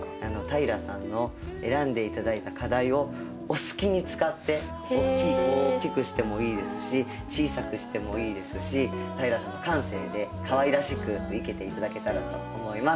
平さんの選んで頂いた花材をお好きに使って大きいこう大きくしてもいいですし小さくしてもいいですし平さんの感性でかわいらしく生けて頂けたらと思います。